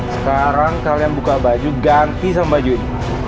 sekarang kalian buka baju ganti sama baju ini